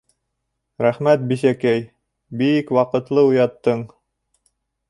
— Рәхмәт, бисәкәй, би-ик ваҡытлы уяттың.